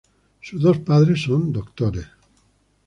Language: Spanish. Sus dos padres son doctores.